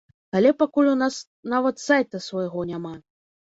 Але пакуль у нас нават сайта свайго няма.